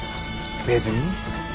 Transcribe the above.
別に。